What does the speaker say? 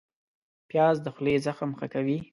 پیاز د خولې زخم ښه کوي